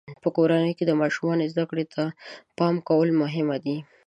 په کورنۍ کې د ماشومانو زده کړې ته پام کول مهم دي.